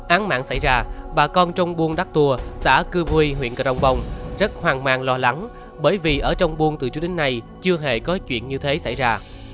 án mạng xảy ra bà con trong buôn đắc tùa xã cư vui huyện cờ rồng bông rất hoang mang lo lắng bởi vì ở trong buôn từ trước đến nay chưa hề có chuyện như thế xảy ra